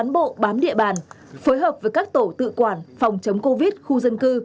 bộ bám địa bàn phối hợp với các tổ tự quản phòng chống covid khu dân cư